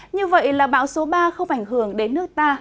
như vậy là bão số ba không ảnh hưởng đến nước ta